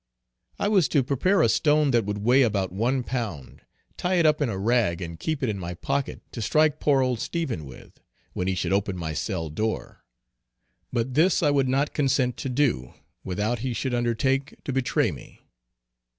I was to prepare a stone that would weigh about one pound, tie it up in a rag, and keep it in my pocket to strike poor old Stephen with, when he should open my cell door. But this I would not consent to do, without he should undertake to betray me.